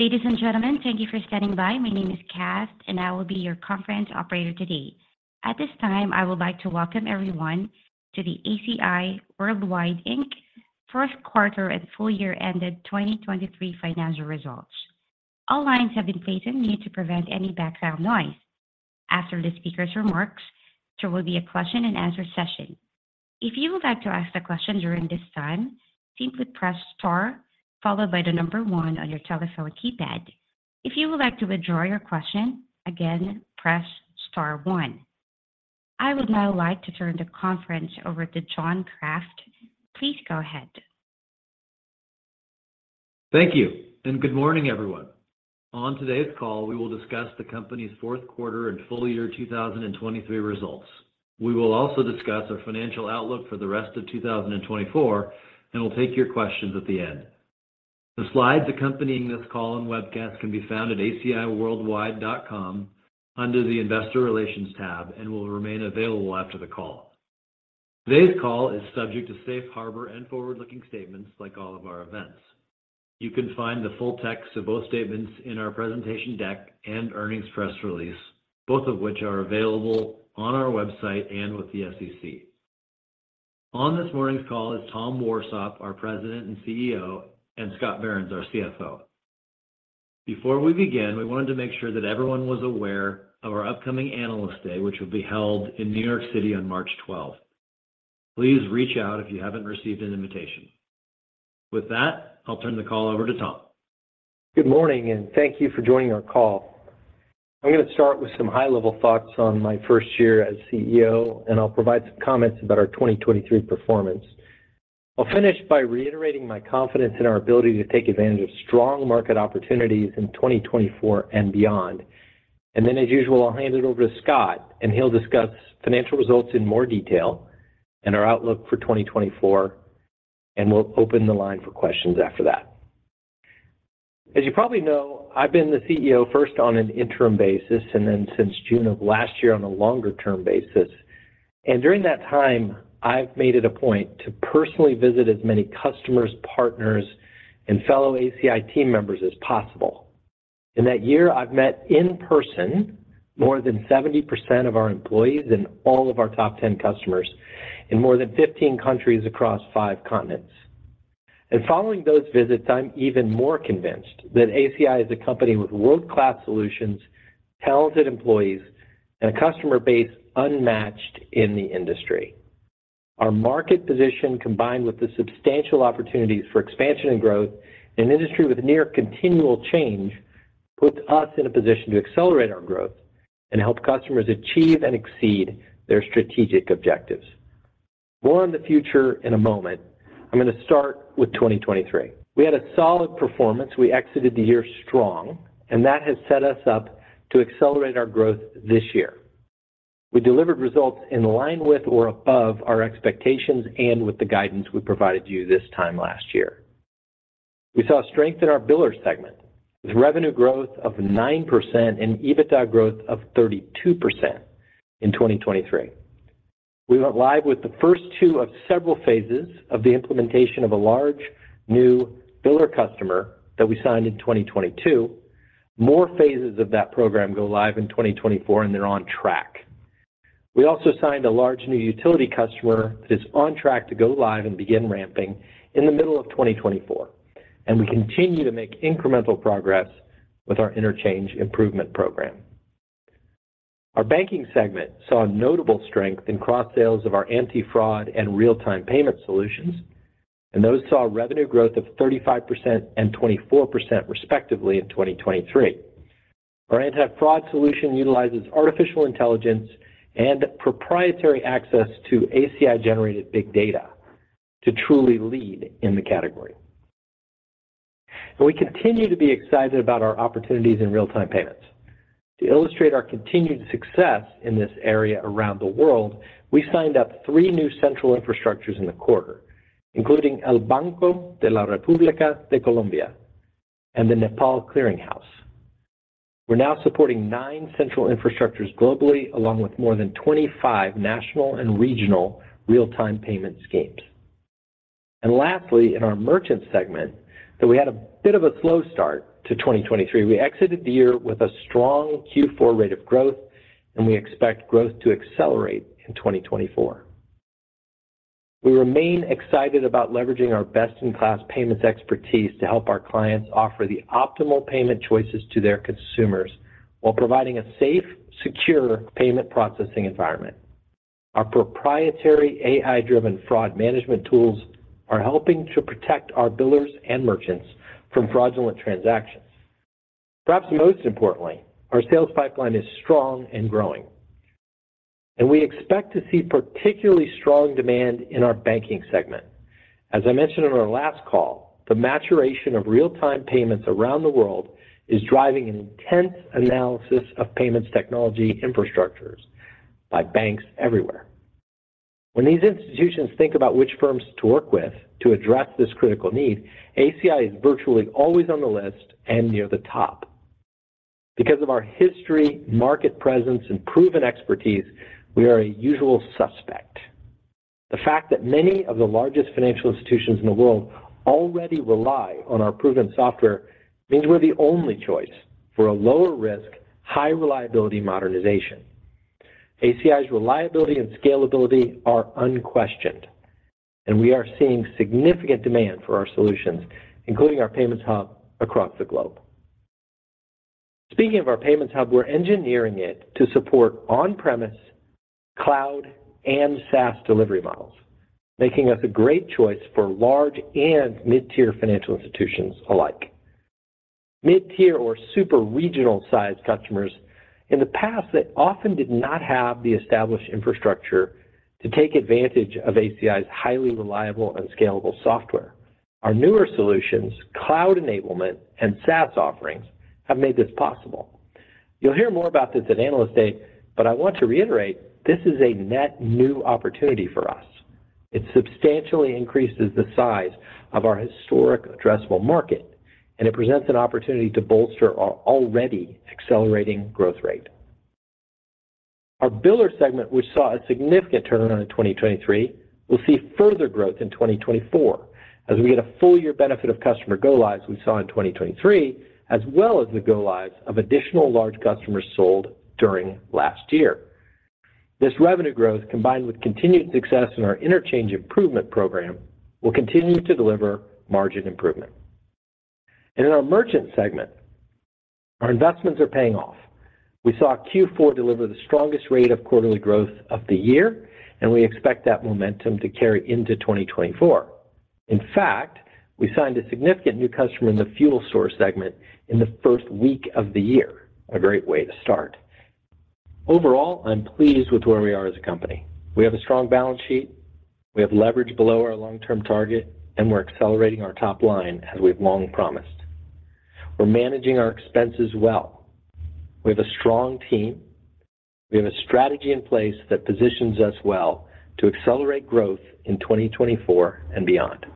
Ladies and gentlemen, thank you for standing by. My name is Kat, and I will be your conference operator today. At this time, I would like to welcome everyone to the ACI Worldwide, Inc., Fourth Quarter and Full-Year-ended 2023 Financial Results. All lines have been placed on mute to prevent any background noise. After the speaker's remarks, there will be a question-and-answer session. If you would like to ask a question during this time, simply press star followed by the number one on your telephone keypad. If you would like to withdraw your question, again, press star one. I would now like to turn the conference over to John Kraft. Please go ahead. Thank you, and good morning, everyone. On today's call, we will discuss the company's fourth quarter and full-year 2023 results. We will also discuss our financial outlook for the rest of 2024, and we'll take your questions at the end. The slides accompanying this call and webcast can be found at aciworldwide.com under the Investor Relations tab and will remain available after the call. Today's call is subject to safe harbor and forward-looking statements like all of our events. You can find the full text of both statements in our presentation deck and earnings press release, both of which are available on our website and with the SEC. On this morning's call is Tom Warsop, our President and CEO, and Scott Behrens, our CFO. Before we begin, we wanted to make sure that everyone was aware of our upcoming Analyst Day, which will be held in New York City on March 12th. Please reach out if you haven't received an invitation. With that, I'll turn the call over to Tom. Good morning, and thank you for joining our call. I'm going to start with some high-level thoughts on my first year as CEO, and I'll provide some comments about our 2023 performance. I'll finish by reiterating my confidence in our ability to take advantage of strong market opportunities in 2024 and beyond. And then, as usual, I'll hand it over to Scott, and he'll discuss financial results in more detail and our outlook for 2024, and we'll open the line for questions after that. As you probably know, I've been the CEO first on an interim basis and then since June of last year on a longer-term basis. And during that time, I've made it a point to personally visit as many customers, partners, and fellow ACI team members as possible. In that year, I've met in person more than 70% of our employees and all of our top 10 customers in more than 15 countries across five continents. Following those visits, I'm even more convinced that ACI is a company with world-class solutions, talented employees, and a customer base unmatched in the industry. Our market position, combined with the substantial opportunities for expansion and growth in an industry with near-continual change, puts us in a position to accelerate our growth and help customers achieve and exceed their strategic objectives. More on the future in a moment. I'm going to start with 2023. We had a solid performance. We exited the year strong, and that has set us up to accelerate our growth this year. We delivered results in line with or above our expectations and with the guidance we provided you this time last year. We saw strength in our Biller segment with revenue growth of 9% and EBITDA growth of 32% in 2023. We went live with the first two of several phases of the implementation of a large new biller customer that we signed in 2022. More phases of that program go live in 2024, and they're on track. We also signed a large new utility customer that is on track to go live and begin ramping in the middle of 2024. We continue to make incremental progress with our interchange improvement program. Our Banking segment saw notable strength in cross-sales of our anti-fraud and real-time payment solutions, and those saw revenue growth of 35% and 24% respectively in 2023. Our anti-fraud solution utilizes artificial intelligence and proprietary access to ACI-generated big data to truly lead in the category. We continue to be excited about our opportunities in real-time payments. To illustrate our continued success in this area around the world, we signed up three new central infrastructures in the quarter, including El Banco de la República de Colombia and the Nepal Clearing House. We're now supporting nine central infrastructures globally, along with more than 25 national and regional real-time payment schemes. Lastly, in our Merchant segment, though we had a bit of a slow start to 2023, we exited the year with a strong Q4 rate of growth, and we expect growth to accelerate in 2024. We remain excited about leveraging our best-in-class payments expertise to help our clients offer the optimal payment choices to their consumers while providing a safe, secure payment processing environment. Our proprietary AI-driven fraud management tools are helping to protect our billers and merchants from fraudulent transactions. Perhaps most importantly, our sales pipeline is strong and growing, and we expect to see particularly strong demand in our Banking segment. As I mentioned on our last call, the maturation of real-time payments around the world is driving an intense analysis of payments technology infrastructures by banks everywhere. When these institutions think about which firms to work with to address this critical need, ACI is virtually always on the list and near the top. Because of our history, market presence, and proven expertise, we are a usual suspect. The fact that many of the largest financial institutions in the world already rely on our proven software means we're the only choice for a lower-risk, high-reliability modernization. ACI's reliability and scalability are unquestioned, and we are seeing significant demand for our solutions, including our Payments Hub across the globe. Speaking of our Payments Hub, we're engineering it to support on-premise, cloud, and SaaS delivery models, making us a great choice for large and mid-tier financial institutions alike. Mid-tier or super regional-sized customers in the past that often did not have the established infrastructure to take advantage of ACI's highly reliable and scalable software, our newer solutions, cloud enablement, and SaaS offerings have made this possible. You'll hear more about this at Analyst Day, but I want to reiterate, this is a net new opportunity for us. It substantially increases the size of our historic addressable market, and it presents an opportunity to bolster our already accelerating growth rate. Our Biller segment, which saw a significant turnaround in 2023, will see further growth in 2024 as we get a full-year benefit of customer go-lives we saw in 2023, as well as the go-lives of additional large customers sold during last year. This revenue growth, combined with continued success in our interchange improvement program, will continue to deliver margin improvement. In our Merchant segment, our investments are paying off. We saw Q4 deliver the strongest rate of quarterly growth of the year, and we expect that momentum to carry into 2024. In fact, we signed a significant new customer in the Fuel/C-store segment in the first week of the year, a great way to start. Overall, I'm pleased with where we are as a company. We have a strong balance sheet. We have leverage below our long-term target, and we're accelerating our top line as we've long promised. We're managing our expenses well. We have a strong team. We have a strategy in place that positions us well to accelerate growth in 2024 and beyond.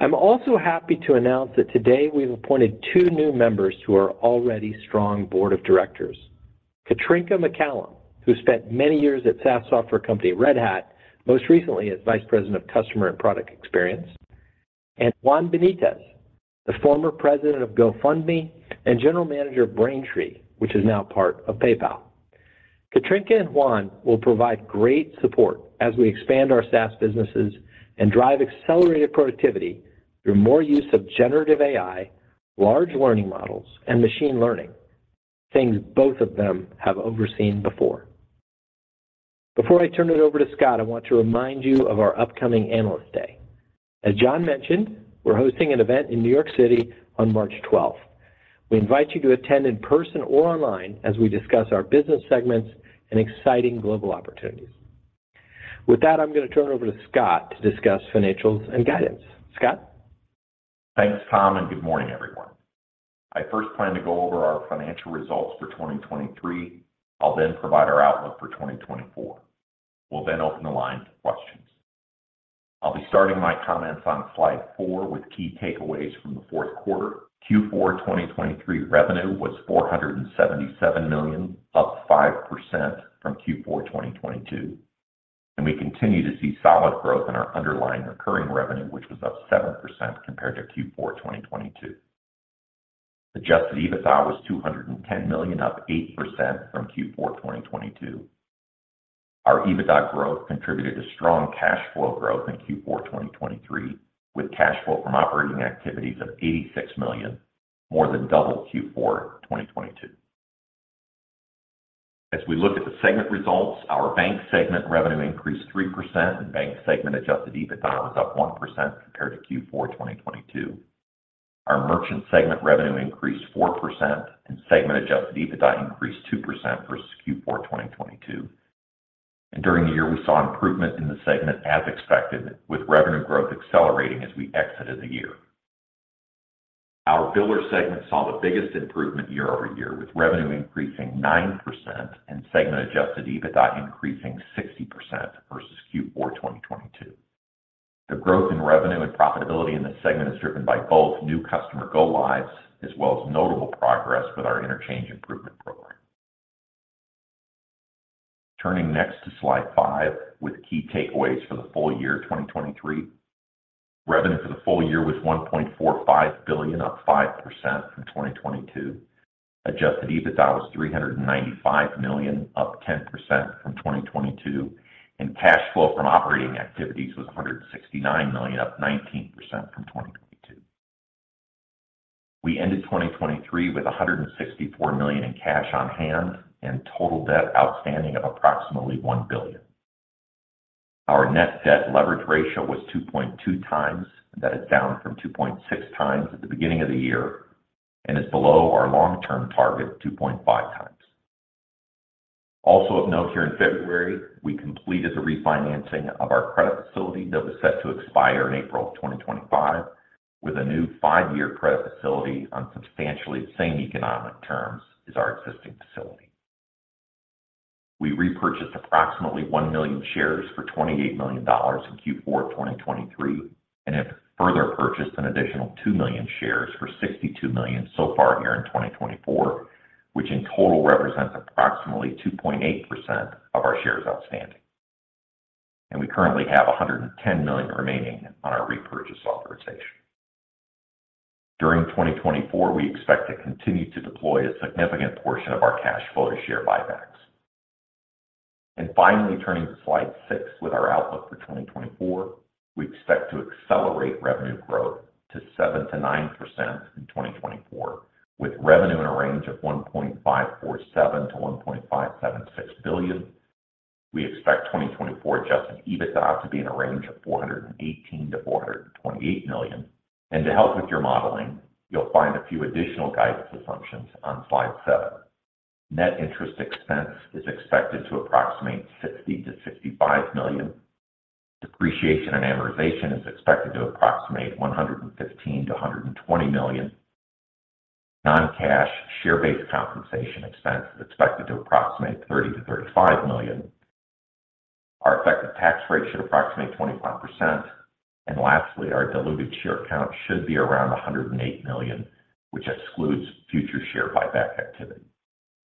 I'm also happy to announce that today we've appointed two new members to our already strong board of directors: Katrinka McCallum, who spent many years at SaaS software company Red Hat, most recently as vice president of customer and product experience, and Juan Benitez, the former president of GoFundMe and general manager of Braintree, which is now part of PayPal. Katrinka and Juan will provide great support as we expand our SaaS businesses and drive accelerated productivity through more use of generative AI, large language models, and machine learning, things both of them have overseen before. Before I turn it over to Scott, I want to remind you of our upcoming Analyst Day. As John mentioned, we're hosting an event in New York City on March 12th. We invite you to attend in person or online as we discuss our Business segments and exciting global opportunities. With that, I'm going to turn it over to Scott to discuss financials and guidance. Scott? Thanks, Tom, and good morning, everyone. I first plan to go over our financial results for 2023. I'll then provide our outlook for 2024. We'll then open the line for questions. I'll be starting my comments on slide 4 with key takeaways from the fourth quarter. Q4 2023 revenue was $477 million, up 5% from Q4 2022. We continue to see solid growth in our underlying recurring revenue, which was up 7% compared to Q4 2022. Adjusted EBITDA was $210 million, up 8% from Q4 2022. Our EBITDA growth contributed to strong cash flow growth in Q4 2023, with cash flow from operating activities of $86 million, more than double Q4 2022. As we look at the segment results, our Bank segment revenue increased 3%, and Bank segment adjusted EBITDA was up 1% compared to Q4 2022. Our Merchant segment revenue increased 4%, and segment adjusted EBITDA increased 2% for Q4 2022. During the year, we saw improvement in the segment as expected, with revenue growth accelerating as we exited the year. Our Biller segment saw the biggest improvement year-over-year, with revenue increasing 9% and segment adjusted EBITDA increasing 60% versus Q4 2022. The growth in revenue and profitability in this segment is driven by both new customer go-lives as well as notable progress with our interchange improvement program. Turning next to slide five with key takeaways for the full year 2023. Revenue for the full year was $1.45 billion, up 5% from 2022. Adjusted EBITDA was $395 million, up 10% from 2022. Cash flow from operating activities was $169 million, up 19% from 2022. We ended 2023 with $164 million in cash on hand and total debt outstanding of approximately $1 billion. Our net debt leverage ratio was 2.2x, that is down from 2.6x at the beginning of the year and is below our long-term target, 2.5x. Also of note here in February, we completed the refinancing of our credit facility that was set to expire in April of 2025 with a new five-year credit facility on substantially the same economic terms as our existing facility. We repurchased approximately one million shares for $28 million in Q4 of 2023 and have further purchased an additional two million shares for $62 million so far here in 2024, which in total represents approximately 2.8% of our shares outstanding. And we currently have $110 million remaining on our repurchase authorization. During 2024, we expect to continue to deploy a significant portion of our cash flow to share buybacks. Finally, turning to slide six with our outlook for 2024, we expect to accelerate revenue growth to 7%-9% in 2024 with revenue in a range of $1.547-$1.576 billion. We expect 2024 adjusted EBITDA to be in a range of $418-$428 million. To help with your modeling, you'll find a few additional guidance assumptions on slide seven. Net interest expense is expected to approximate $60-$65 million. Depreciation and amortization is expected to approximate $115-$120 million. Non-cash share-based compensation expense is expected to approximate $30-$35 million. Our effective tax rate should approximate 25%. Lastly, our diluted share count should be around $108 million, which excludes future share buyback activity.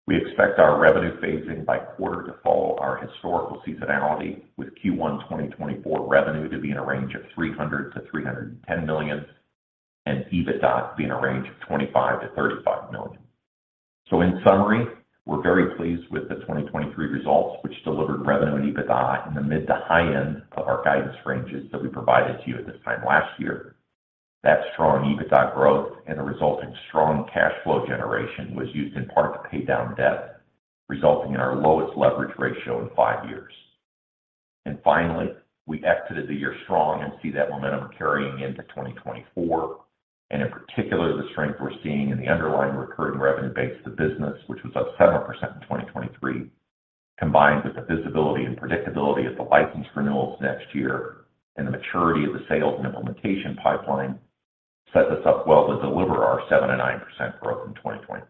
We expect our revenue phasing by quarter to follow our historical seasonality, with Q1 2024 revenue to be in a range of $300-$310 million and EBITDA to be in a range of $25-$35 million. So in summary, we're very pleased with the 2023 results, which delivered revenue and EBITDA in the mid to high end of our guidance ranges that we provided to you at this time last year. That strong EBITDA growth and the resulting strong cash flow generation was used in part to pay down debt, resulting in our lowest leverage ratio in five years. And finally, we exited the year strong and see that momentum carrying into 2024. And in particular, the strength we're seeing in the underlying recurring revenue base of the business, which was up 7% in 2023, combined with the visibility and predictability of the license renewals next year and the maturity of the sales and implementation pipeline, set us up well to deliver our 7% and 9% growth in 2024.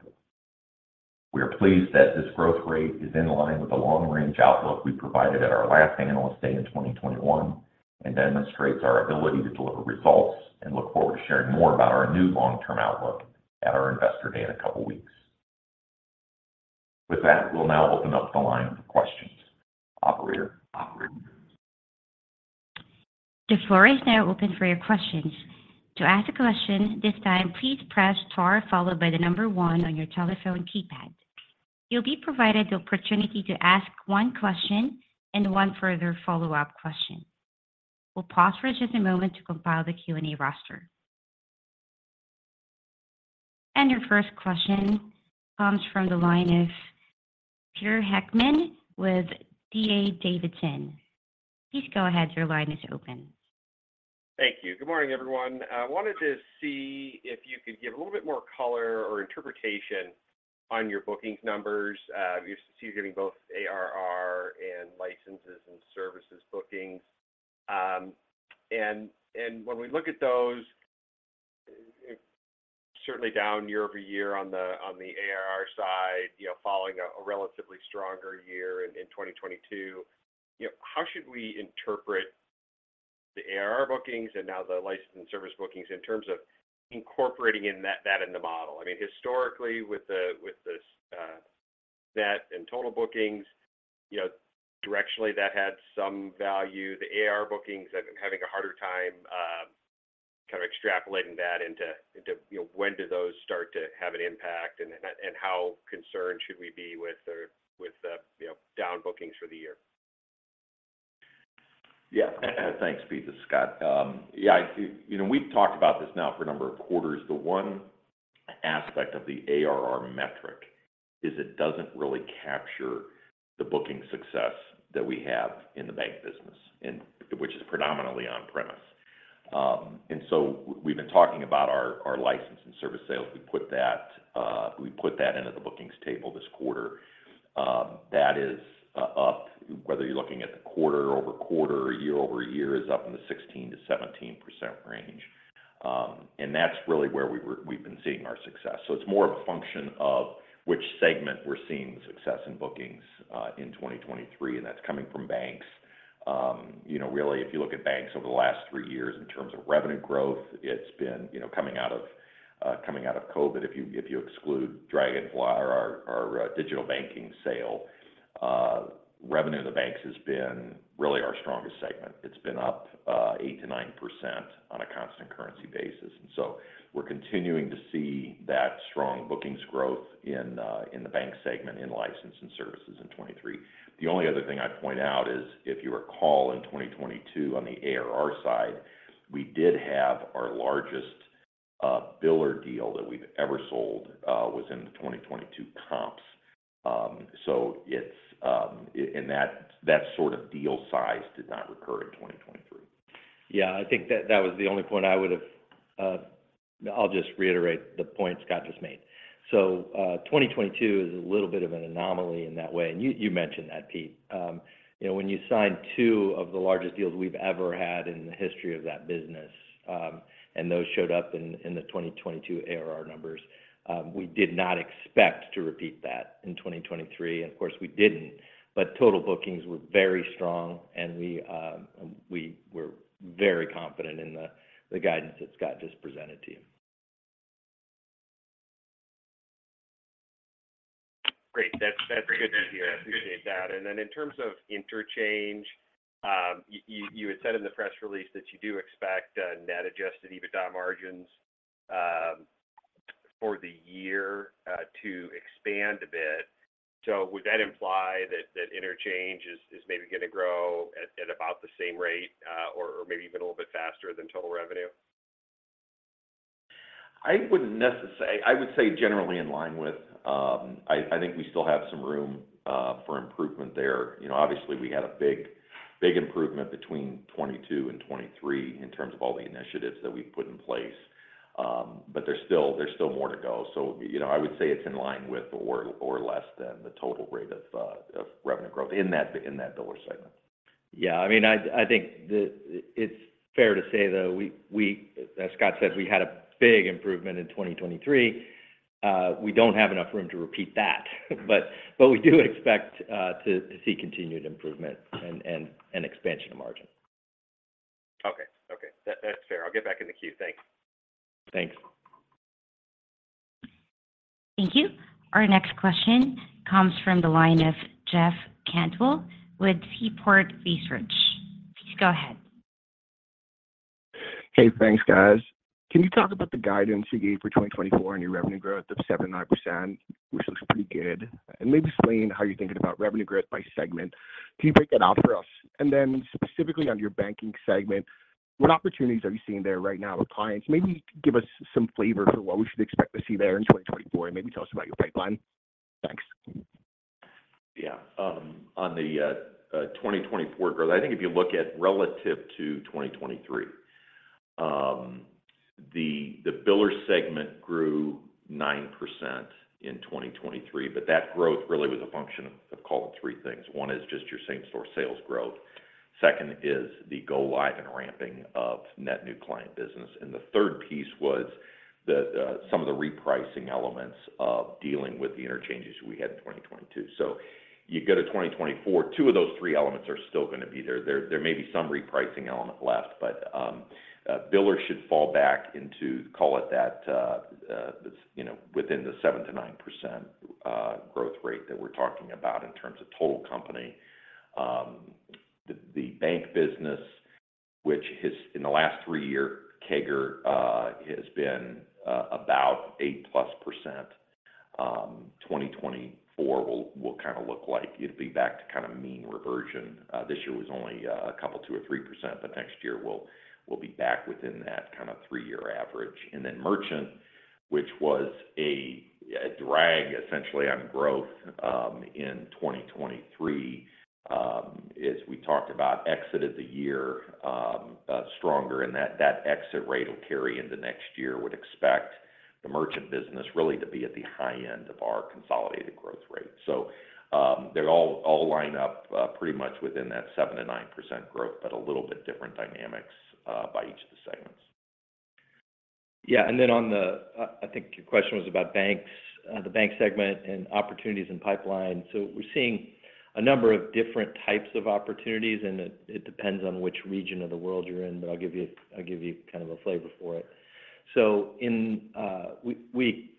We are pleased that this growth rate is in line with the long-range outlook we provided at our last Analyst Day in 2021 and demonstrates our ability to deliver results. And look forward to sharing more about our new long-term outlook at our investor day in a couple of weeks. With that, we'll now open up the line for questions. Operator. The floor is now open for your questions. To ask a question, this time, please press star followed by the number one on your telephone keypad. You'll be provided the opportunity to ask one question and one further follow-up question. We'll pause for just a moment to compile the Q&A roster. And your first question comes from the line of Peter Heckmann with D.A. Davidson. Please go ahead. Your line is open. Thank you. Good morning, everyone. I wanted to see if you could give a little bit more color or interpretation on your bookings numbers. I see you're getting both ARR and licenses and services bookings. And when we look at those, certainly down year over year on the ARR side, following a relatively stronger year in 2022, how should we interpret the ARR bookings and now the license and service bookings in terms of incorporating that in the model? I mean, historically, with the net and total bookings, directionally, that had some value. The ARR bookings, I'm having a harder time kind of extrapolating that into when do those start to have an impact and how concerned should we be with the down bookings for the year? Yeah. Thanks, Peter. Scott, yeah, we've talked about this now for a number of quarters. The one aspect of the ARR metric is it doesn't really capture the booking success that we have in the bank business, which is predominantly on-premise. And so we've been talking about our license and service sales. We put that into the bookings table this quarter. That is up. Whether you're looking at the quarter-over-quarter or year-over-year, it's up in the 16%-17% range. And that's really where we've been seeing our success. So it's more of a function of which segment we're seeing the success in bookings in 2023, and that's coming from banks. Really, if you look at banks over the last three years in terms of revenue growth, it's been coming out of COVID. If you exclude Dragonfly or our digital banking sale, revenue in the banks has been really our strongest segment. It's been up 8%-9% on a constant currency basis. And so we're continuing to see that strong bookings growth in the bank segment, in license and services in 2023. The only other thing I'd point out is if you recall in 2022 on the ARR side, we did have our largest biller deal that we've ever sold was in the 2022 comps. So that sort of deal size did not recur in 2023. Yeah, I think that was the only point I would have. I'll just reiterate the point Scott just made. So 2022 is a little bit of an anomaly in that way. And you mentioned that, Pete. When you signed two of the largest deals we've ever had in the history of that business, and those showed up in the 2022 ARR numbers, we did not expect to repeat that in 2023. And of course, we didn't. But total bookings were very strong, and we were very confident in the guidance that Scott just presented to you. Great. That's good to hear. I appreciate that. And then in terms of interchange, you had said in the press release that you do expect net adjusted EBITDA margins for the year to expand a bit. So would that imply that interchange is maybe going to grow at about the same rate or maybe even a little bit faster than total revenue? I would say generally in line with. I think we still have some room for improvement there. Obviously, we had a big improvement between 2022 and 2023 in terms of all the initiatives that we put in place. But there's still more to go. So I would say it's in line with or less than the total rate of revenue growth in that Biller segment. Yeah. I mean, I think it's fair to say, though, as Scott said, we had a big improvement in 2023. We don't have enough room to repeat that. But we do expect to see continued improvement and expansion of margin. Okay. Okay. That's fair. I'll get back in the queue. Thanks. Thanks. Thank you. Our next question comes from the line of Jeff Cantwell with Seaport Research. Please go ahead. Hey, thanks, guys. Can you talk about the guidance you gave for 2024 on your revenue growth of 7%-9%, which looks pretty good? And maybe explain how you're thinking about revenue growth by segment. Can you break that out for us? And then specifically on your banking segment, what opportunities are you seeing there right now with clients? Maybe give us some flavor for what we should expect to see there in 2024 and maybe tell us about your pipeline. Thanks. Yeah. On the 2024 growth, I think if you look at relative to 2023, the biller segment grew 9% in 2023. But that growth really was a function of, call it, three things. One is just your same-store sales growth. Second is the go-live and ramping of net new client business. And the third piece was some of the repricing elements of dealing with the interchanges we had in 2022. So you go to 2024, two of those three elements are still going to be there. There may be some repricing element left, but biller should fall back into, call it that, within the 7%-9% growth rate that we're talking about in terms of total company. The bank business, which in the last three years, the ACI has been about 8%+, 2024 will kind of look like it'll be back to kind of mean reversion. This year was only a couple, 2% or 3%, but next year we'll be back within that kind of three-year average. And then merchant, which was a drag, essentially, on growth in 2023, as we talked about, exited the year stronger. And that exit rate will carry into next year. We'd expect the merchant business really to be at the high end of our consolidated growth rate. So they all line up pretty much within that 7%-9% growth, but a little bit different dynamics by each of the segments. Yeah. And then on the, I think your question was about the bank segment and opportunities and pipeline. So we're seeing a number of different types of opportunities, and it depends on which region of the world you're in, but I'll give you kind of a flavor for it. So we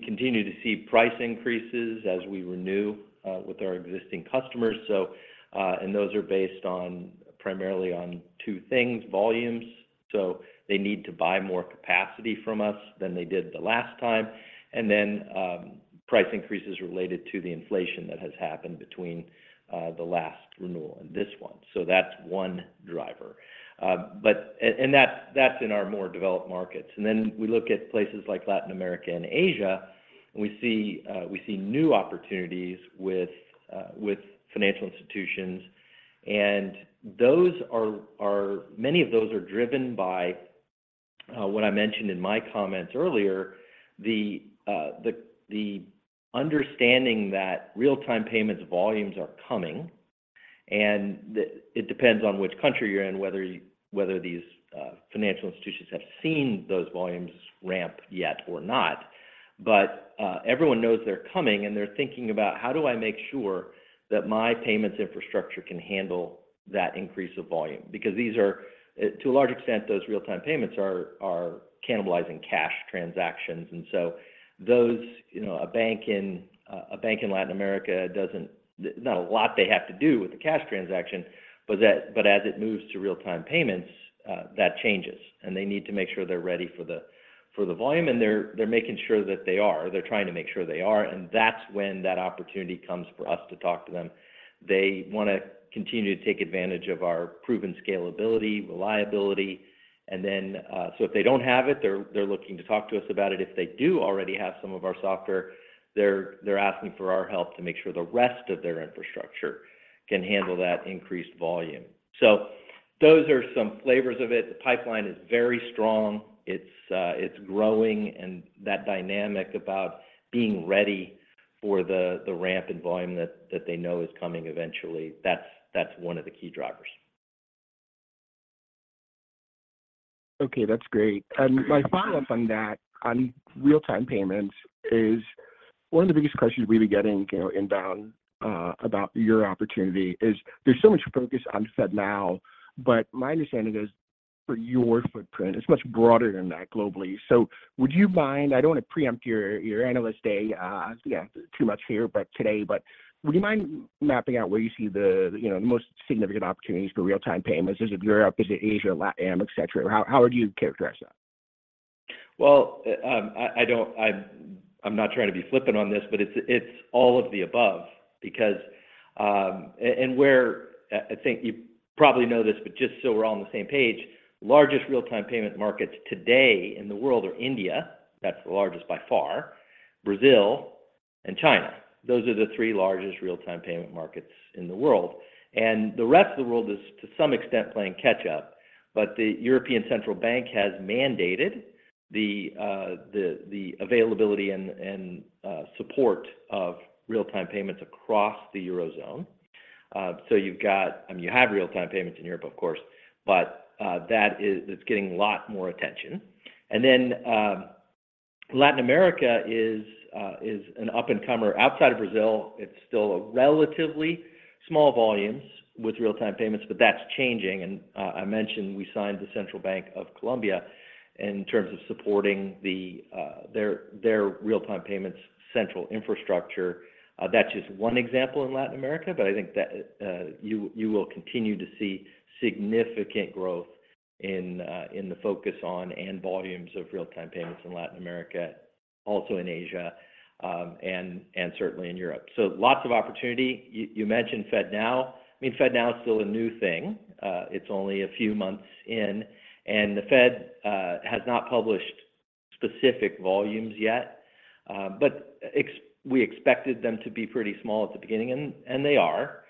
continue to see price increases as we renew with our existing customers. And those are based primarily on two things, volumes. So they need to buy more capacity from us than they did the last time. And then price increases related to the inflation that has happened between the last renewal and this one. So that's one driver. And that's in our more developed markets. And then we look at places like Latin America and Asia, and we see new opportunities with financial institutions. Many of those are driven by what I mentioned in my comments earlier, the understanding that real-time payments volumes are coming. It depends on which country you're in, whether these financial institutions have seen those volumes ramp yet or not. But everyone knows they're coming, and they're thinking about, "How do I make sure that my payments infrastructure can handle that increase of volume?" Because these are, to a large extent, those real-time payments are cannibalizing cash transactions. So a bank in Latin America doesn't. There's not a lot they have to do with the cash transaction. But as it moves to real-time payments, that changes. They need to make sure they're ready for the volume. They're making sure that they are. They're trying to make sure they are. That's when that opportunity comes for us to talk to them. They want to continue to take advantage of our proven scalability, reliability. Then so if they don't have it, they're looking to talk to us about it. If they do already have some of our software, they're asking for our help to make sure the rest of their infrastructure can handle that increased volume. So those are some flavors of it. The pipeline is very strong. It's growing. And that dynamic about being ready for the ramp in volume that they know is coming eventually, that's one of the key drivers. Okay. That's great. And my follow-up on that, on real-time payments, is one of the biggest questions we've been getting inbound about your opportunity is there's so much focus on FedNow. But my understanding is for your footprint, it's much broader than that globally. So would you mind? I don't want to preempt your Analyst Day. Yeah, too much here today. But would you mind mapping out where you see the most significant opportunities for real-time payments? Is it Europe? Is it Asia? LATAM, etc.? How would you characterize that? Well, I'm not trying to be flippant on this, but it's all of the above. I think you probably know this, but just so we're all on the same page, largest real-time payment markets today in the world are India. That's the largest by far, Brazil, and China. Those are the three largest real-time payment markets in the world. The rest of the world is, to some extent, playing catch-up. But the European Central Bank has mandated the availability and support of real-time payments across the eurozone. So you have real-time payments in Europe, of course, but that's getting a lot more attention. And then Latin America is an up-and-comer. Outside of Brazil, it's still relatively small volumes with real-time payments, but that's changing. I mentioned we signed the Central Bank of Colombia in terms of supporting their real-time payments central infrastructure. That's just one example in Latin America, but I think that you will continue to see significant growth in the focus on and volumes of real-time payments in Latin America, also in Asia, and certainly in Europe. So lots of opportunity. You mentioned FedNow. I mean, FedNow is still a new thing. It's only a few months in. And the Fed has not published specific volumes yet. But we expected them to be pretty small at the beginning, and they are.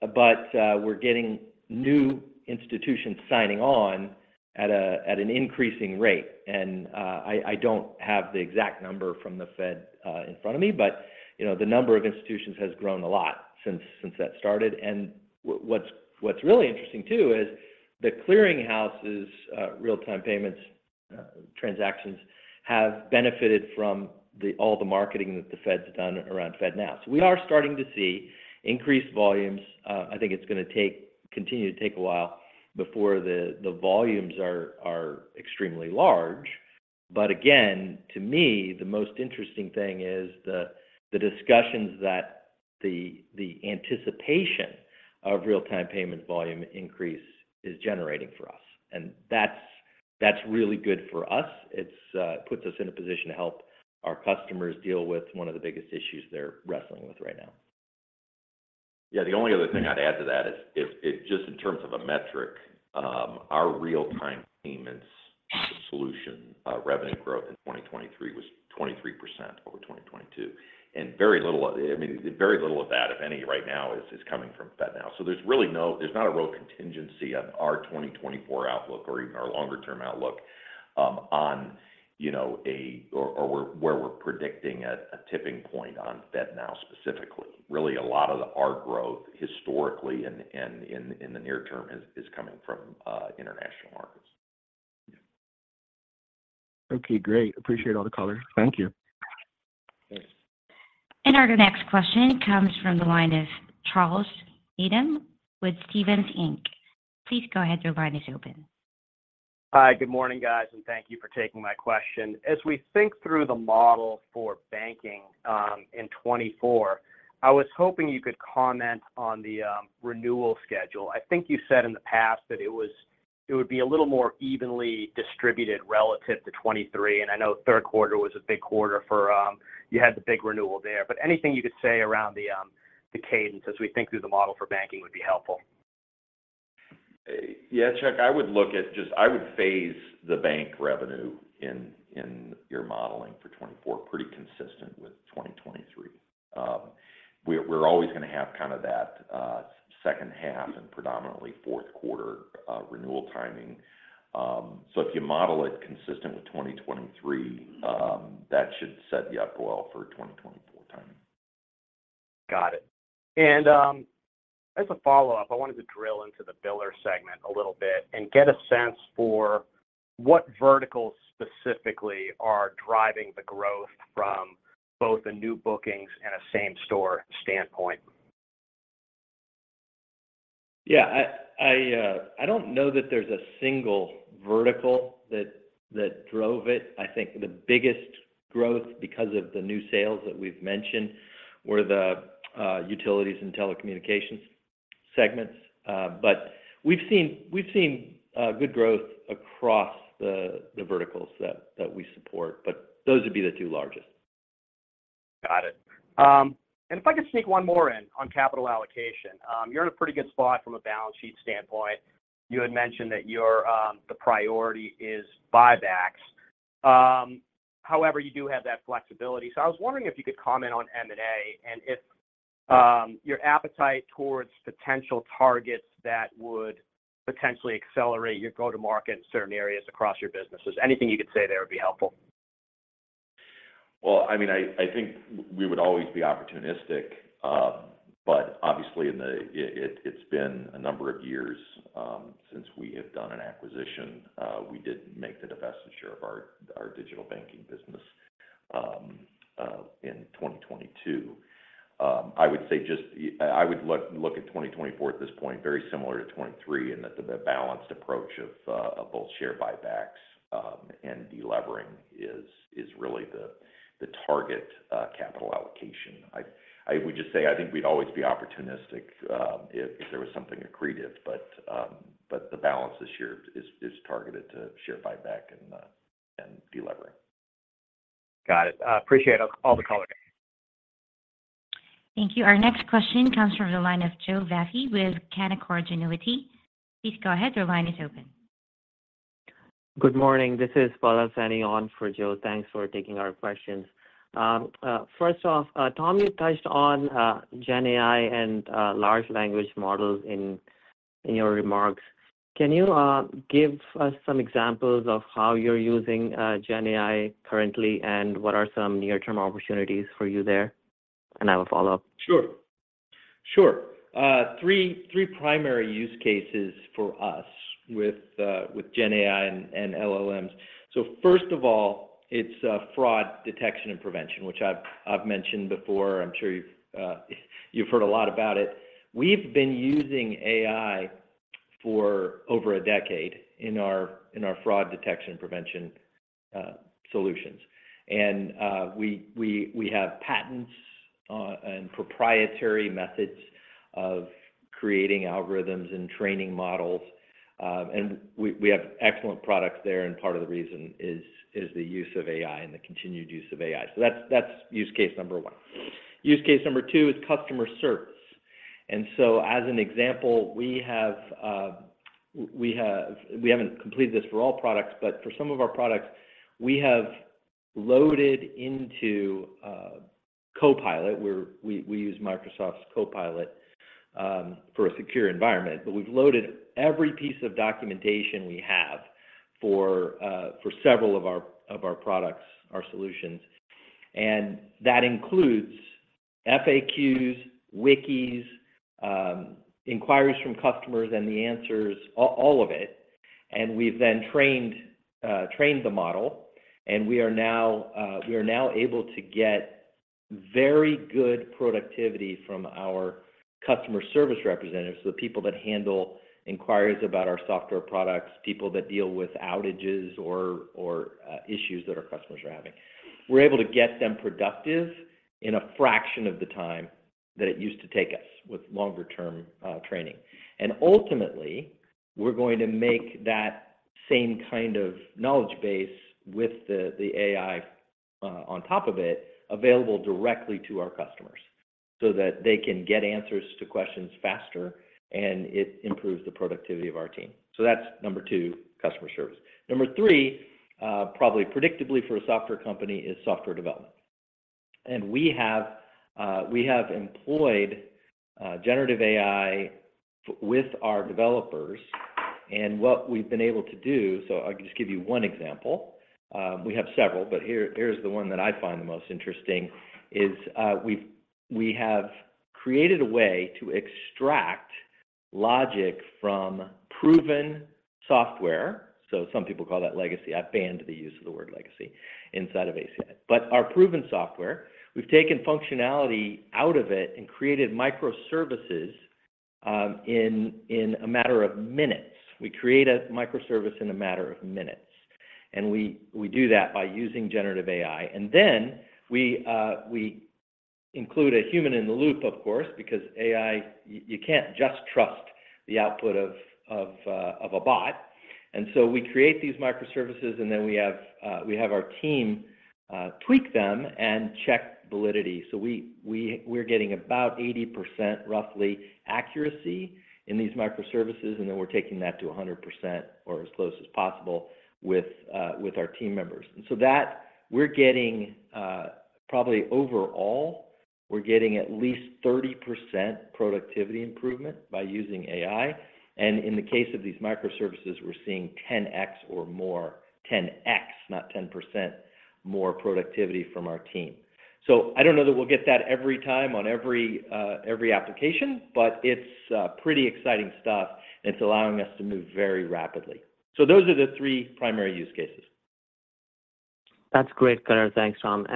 But we're getting new institutions signing on at an increasing rate. And I don't have the exact number from the Fed in front of me, but the number of institutions has grown a lot since that started. And what's really interesting, too, is The Clearing House's real-time payments transactions have benefited from all the marketing that the Fed's done around FedNow. So we are starting to see increased volumes, I think it's going to continue to take a while before the volumes are extremely large. But again, to me, the most interesting thing is the discussions that the anticipation of real-time payment volume increase is generating for us. And that's really good for us. It puts us in a position to help our customers deal with one of the biggest issues they're wrestling with right now. Yeah. The only other thing I'd add to that is just in terms of a metric, our real-time payments solution revenue growth in 2023 was 23% over 2022. And very little I mean, very little of that, if any, right now is coming from FedNow. So there's not a real contingency on our 2024 outlook or even our longer-term outlook on a or where we're predicting a tipping point on FedNow specifically. Really, a lot of our growth historically and in the near term is coming from international markets. Okay. Great. Appreciate all the color. Thank you. Thanks. And our next question comes from the line of Charles Nabhan with Stephens Inc. Please go ahead. Your line is open. Hi. Good morning, guys. Thank you for taking my question. As we think through the model for banking in 2024, I was hoping you could comment on the renewal schedule. I think you said in the past that it would be a little more evenly distributed relative to 2023. I know third quarter was a big quarter for you had the big renewal there. But anything you could say around the cadence as we think through the model for banking would be helpful. Yeah. Chuck, I would look at just I would phase the bank revenue in your modeling for 2024 pretty consistent with 2023. We're always going to have kind of that second half and predominantly fourth quarter renewal timing. So if you model it consistent with 2023, that should set you up well for 2024 timing. Got it. As a follow-up, I wanted to drill into the Biller segment a little bit and get a sense for what verticals specifically are driving the growth from both the new bookings and a same-store standpoint. Yeah. I don't know that there's a single vertical that drove it. I think the biggest growth because of the new sales that we've mentioned were the Utilities and Telecommunications segments. But we've seen good growth across the verticals that we support. But those would be the two largest. Got it. If I could sneak one more in on capital allocation, you're in a pretty good spot from a balance sheet standpoint. You had mentioned that the priority is buybacks. However, you do have that flexibility. So I was wondering if you could comment on M&A and if your appetite towards potential targets that would potentially accelerate your go-to-market in certain areas across your businesses. Anything you could say there would be helpful. Well, I mean, I think we would always be opportunistic. But obviously, it's been a number of years since we have done an acquisition. We did make the divestiture of our digital banking business in 2022. I would say just I would look at 2024 at this point very similar to 2023 in that the balanced approach of both share buybacks and delevering is really the target capital allocation. I would just say I think we'd always be opportunistic if there was something accretive. But the balance this year is targeted to share buyback and delevering. Got it. Appreciate all the color. Thank you. Our next question comes from the line of Joe Vafi with Canaccord Genuity. Please go ahead. Your line is open. Good morning. This is Pallav Saini on for Joe. Thanks for taking our questions. First off, Tom, you touched on GenAI and large language models in your remarks. Can you give us some examples of how you're using GenAI currently and what are some near-term opportunities for you there? I will follow up. Sure. Sure. Three primary use cases for us with GenAI and LLMs. So first of all, it's fraud detection and prevention, which I've mentioned before. I'm sure you've heard a lot about it. We've been using AI for over a decade in our fraud detection and prevention solutions. And we have patents and proprietary methods of creating algorithms and training models. And we have excellent products there. And part of the reason is the use of AI and the continued use of AI. So that's use case number one. Use case number two is customer service. And so as an example, we haven't completed this for all products, but for some of our products, we have loaded into Copilot. We use Microsoft's Copilot for a secure environment. But we've loaded every piece of documentation we have for several of our products, our solutions. That includes FAQs, wikis, inquiries from customers, and the answers, all of it. We've then trained the model. We are now able to get very good productivity from our customer service representatives, the people that handle inquiries about our software products, people that deal with outages or issues that our customers are having. We're able to get them productive in a fraction of the time that it used to take us with longer-term training. Ultimately, we're going to make that same kind of knowledge base with the AI on top of it available directly to our customers so that they can get answers to questions faster, and it improves the productivity of our team. So that's number two, customer service. Number three, probably predictably for a software company, is software development. We have employed generative AI with our developers. What we've been able to do so I'll just give you one example. We have several, but here's the one that I find the most interesting: we have created a way to extract logic from proven software. So some people call that legacy. I've banned the use of the word legacy inside of ACI. But our proven software, we've taken functionality out of it and created microservices in a matter of minutes. We create a microservice in a matter of minutes. And we do that by using generative AI. And then we include a human in the loop, of course, because you can't just trust the output of a bot. And so we create these microservices, and then we have our team tweak them and check validity. So we're getting about 80%, roughly, accuracy in these microservices. Then we're taking that to 100% or as close as possible with our team members. So we're getting probably overall, we're getting at least 30% productivity improvement by using AI. And in the case of these microservices, we're seeing 10x or more, 10x, not 10% more productivity from our team. So I don't know that we'll get that every time on every application, but it's pretty exciting stuff, and it's allowing us to move very rapidly. So those are the three primary use cases. That's great color. Thanks, Tom.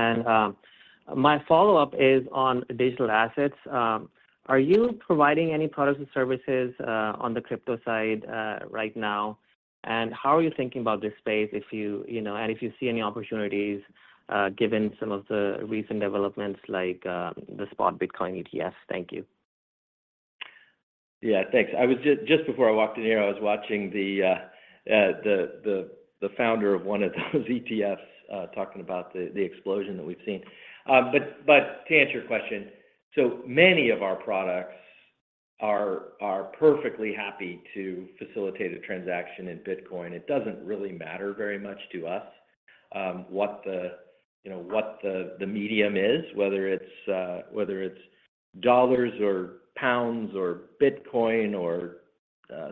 My follow-up is on digital assets. Are you providing any products and services on the crypto side right now? And how are you thinking about this space, and if you see any opportunities given some of the recent developments like the spot Bitcoin ETF? Thank you. Yeah. Thanks. Just before I walked in here, I was watching the founder of one of those ETFs talking about the explosion that we've seen. But to answer your question, so many of our products are perfectly happy to facilitate a transaction in Bitcoin. It doesn't really matter very much to us what the medium is, whether it's dollars or pounds or Bitcoin or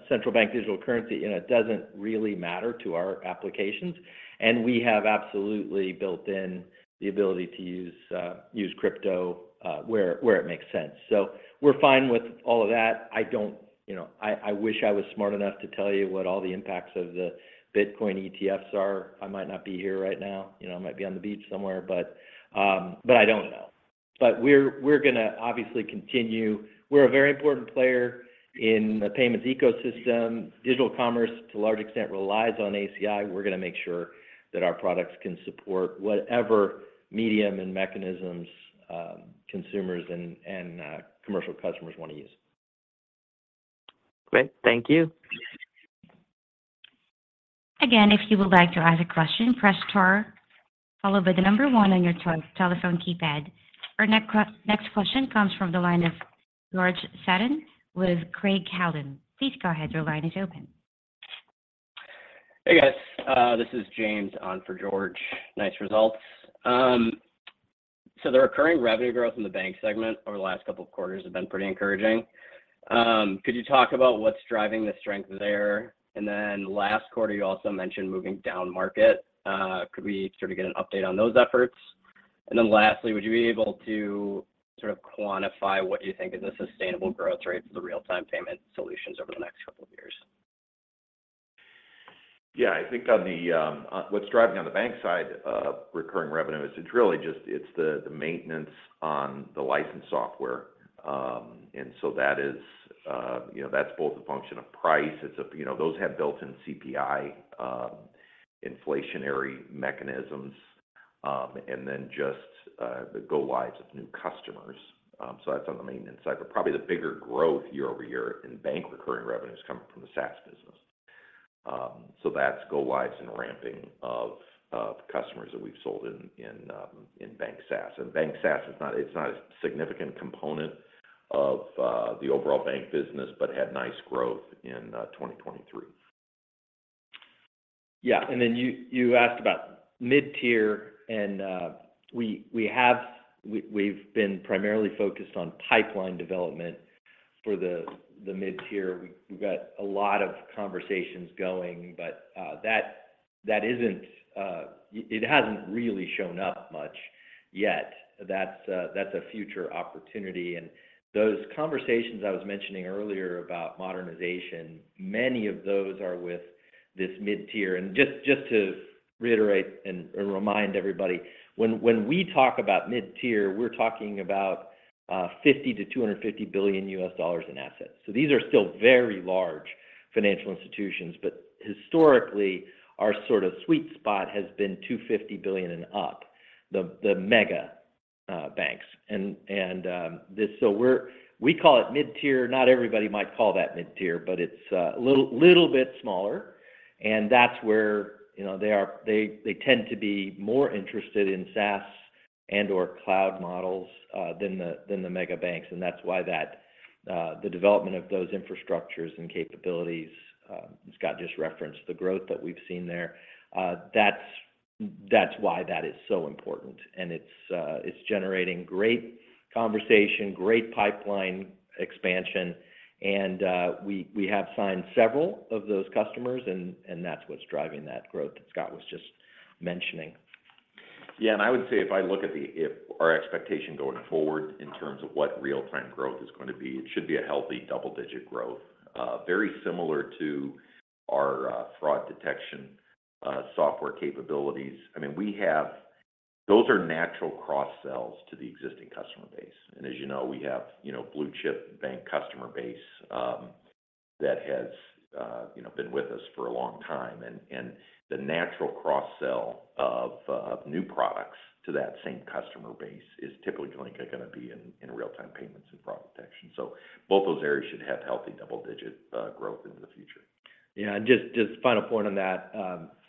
central bank digital currency. It doesn't really matter to our applications. And we have absolutely built in the ability to use crypto where it makes sense. So we're fine with all of that. I wish I was smart enough to tell you what all the impacts of the Bitcoin ETFs are. I might not be here right now. I might be on the beach somewhere, but I don't know. But we're going to obviously continue. We're a very important player in the payments ecosystem. Digital commerce, to a large extent, relies on ACI. We're going to make sure that our products can support whatever medium and mechanisms consumers and commercial customers want to use. Great. Thank you. Again, if you would like to ask a question, press star follow by the number one on your telephone keypad. Our next question comes from the line of George Sutton with Craig-Hallum. Please go ahead. Your line is open. Hey, guys. This is James on for George. Nice results. So the recurring revenue growth in the Bank segment over the last couple of quarters has been pretty encouraging. Could you talk about what's driving the strength there? And then last quarter, you also mentioned moving down market. Could we sort of get an update on those efforts? And then lastly, would you be able to sort of quantify what you think is a sustainable growth rate for the real-time payment solutions over the next couple of years? Yeah. I think what's driving on the bank side of recurring revenue is it's really just it's the maintenance on the license software. And so that's both a function of price. Those have built-in CPI inflationary mechanisms and then just the go-lives of new customers. So that's on the maintenance side. But probably the bigger growth year-over-year in bank recurring revenue is coming from the SaaS business. So that's go-lives and ramping of customers that we've sold in bank SaaS. And bank SaaS, it's not a significant component of the overall bank business but had nice growth in 2023. Yeah. Then you asked about mid-tier. We've been primarily focused on pipeline development for the mid-tier. We've got a lot of conversations going, but that isn't, it hasn't really shown up much yet. That's a future opportunity. Those conversations I was mentioning earlier about modernization, many of those are with this mid-tier. Just to reiterate and remind everybody, when we talk about mid-tier, we're talking about $50 billion-$250 billion in assets. So these are still very large financial institutions. Historically, our sort of sweet spot has been $250 billion and up, the mega banks. So we call it mid-tier. Not everybody might call that mid-tier, but it's a little bit smaller. That's where they tend to be more interested in SaaS and/or cloud models than the mega banks. That's why the development of those infrastructures and capabilities Scott just referenced, the growth that we've seen there, that's why that is so important. It's generating great conversation, great pipeline expansion. We have signed several of those customers, and that's what's driving that growth that Scott was just mentioning. Yeah. I would say if I look at our expectation going forward in terms of what real-time growth is going to be, it should be a healthy double-digit growth, very similar to our fraud detection software capabilities. I mean, those are natural cross-sells to the existing customer base. As you know, we have a blue-chip bank customer base that has been with us for a long time. The natural cross-sell of new products to that same customer base is typically going to be in real-time payments and fraud detection. Both those areas should have healthy double-digit growth into the future. Yeah. And just final point on that.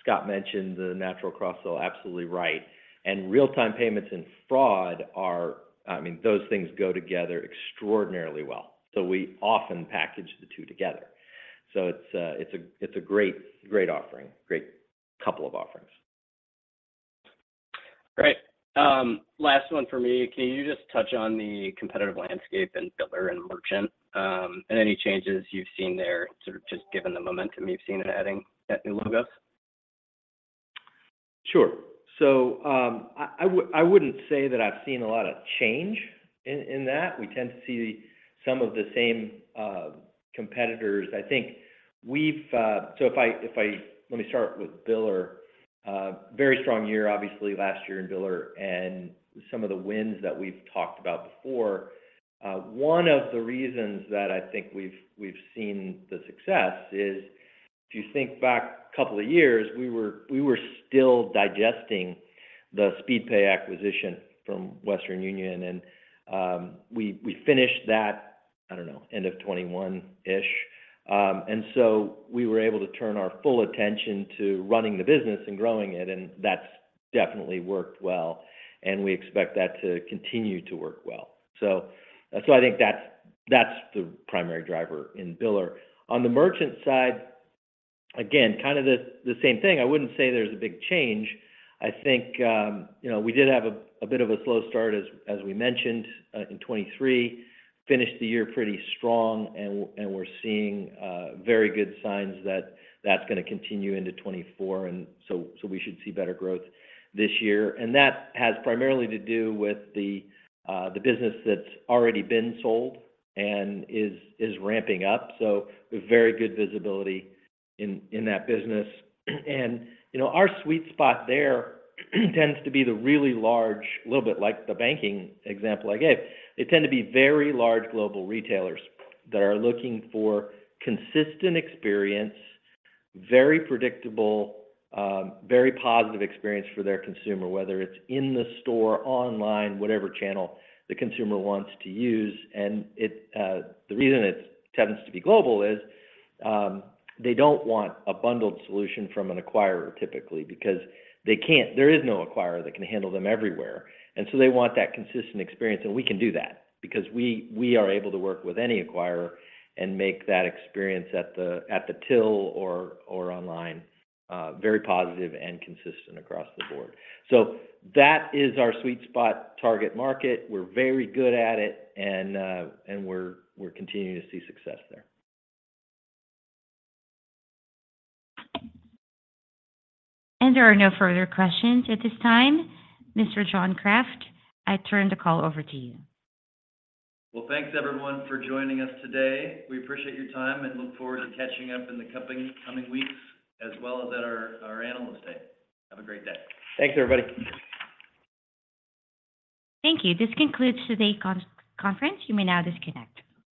Scott mentioned the natural cross-sell, absolutely right. And real-time payments and fraud are, I mean, those things go together extraordinarily well. So we often package the two together. So it's a great offering, great couple of offerings. Great. Last one for me. Can you just touch on the competitive landscape in Biller and Merchant and any changes you've seen there sort of just given the momentum you've seen in adding that new logos? Sure. So I wouldn't say that I've seen a lot of change in that. We tend to see some of the same competitors. I think, let me start with Biller. Very strong year, obviously, last year in Biller. And some of the wins that we've talked about before. One of the reasons that I think we've seen the success is if you think back a couple of years, we were still digesting the Speedpay acquisition from Western Union. And we finished that, I don't know, end of 2021-ish. And so we were able to turn our full attention to running the business and growing it. And that's definitely worked well. And we expect that to continue to work well. So I think that's the primary driver in Biller. On the Merchant side, again, kind of the same thing. I wouldn't say there's a big change. I think we did have a bit of a slow start, as we mentioned, in 2023, finished the year pretty strong. We're seeing very good signs that that's going to continue into 2024. So we should see better growth this year. That has primarily to do with the business that's already been sold and is ramping up. Very good visibility in that business. Our sweet spot there tends to be the really large a little bit like the banking example I gave. They tend to be very large global retailers that are looking for consistent experience, very predictable, very positive experience for their consumer, whether it's in the store, online, whatever channel the consumer wants to use. The reason it tends to be global is they don't want a bundled solution from an acquirer, typically, because there is no acquirer that can handle them everywhere. So they want that consistent experience. We can do that because we are able to work with any acquirer and make that experience at the till or online very positive and consistent across the board. That is our sweet spot target market. We're very good at it, and we're continuing to see success there. There are no further questions at this time. Mr. John Kraft, I turn the call over to you. Well, thanks, everyone, for joining us today. We appreciate your time and look forward to catching up in the coming weeks as well as at our Analyst Day. Have a great day. Thanks, everybody. Thank you. This concludes today's conference. You may now disconnect.